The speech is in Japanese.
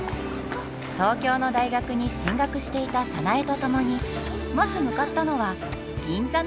東京の大学に進学していた早苗と共にまず向かったのは銀座のレストラン！